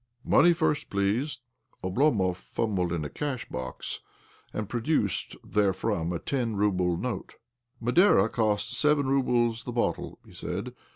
" Money first, please !" Oblomov fumbled in a cashbox, and pro ^ duced therefrom a ten rouble note. " Madeira costs seven roubles the bottle," he said.